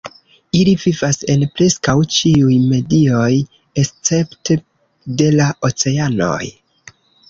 Ili vivas en preskaŭ ĉiuj medioj, escepte de la oceanoj.